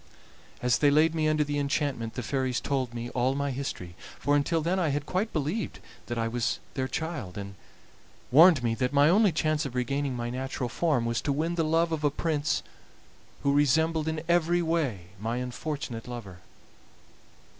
"As they laid me under the enchantment the fairies told me all my history, for until then I had quite believed that I was their child, and warned me that my only chance of regaining my natural form was to win the love of a prince who resembled in every way my unfortunate lover.